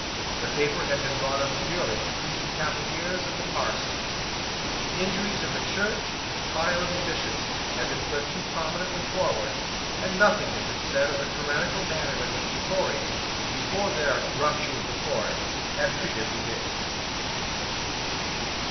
The paper had been drawn up merely to please the Cavaliers and the parsons. The injuries of the Church and the trial of the Bishops had been put too prominently forward; and nothing had been said of the tyrannical manner in which the Tories, before their rupture with the court, had treated the Whigs.